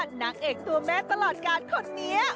นางเอกตัวแม่ตลอดกาลคนนี้